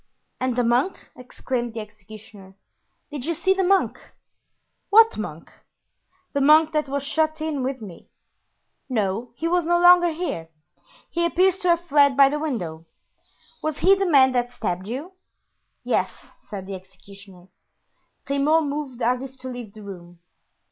"And the monk?" exclaimed the executioner, "did you see the monk?" "What monk?" "The monk that was shut in with me." "No, he was no longer here; he appears to have fled by the window. Was he the man that stabbed you?" "Yes," said the executioner. Grimaud moved as if to leave the room.